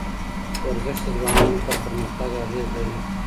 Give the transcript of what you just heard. ورزش د ځوانانو پر پرمختګ اغېز لري.